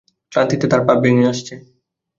ক্লান্তিতে তাঁর পা ভেঙে আসছে।